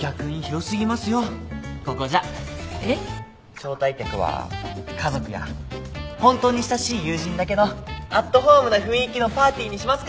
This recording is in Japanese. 招待客は家族や本当に親しい友人だけのアットホームな雰囲気のパーティーにしますから。